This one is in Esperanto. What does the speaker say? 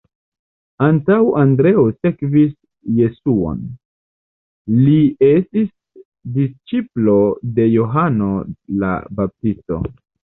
Antaŭ Andreo sekvis Jesuon, li estis disĉiplo de Johano la Baptisto.